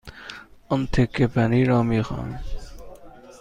آن تکه پنیر را می خواهم.